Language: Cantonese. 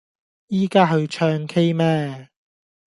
依家去唱 k 咩